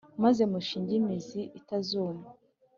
maze mushinge imizi itazuma